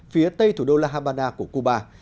phía tây thủ đô la habana của cuba